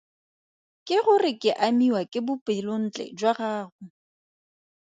Ke gore ke amiwa ke bopelontle jwa gago.